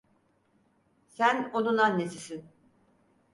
Sen onun annesisin.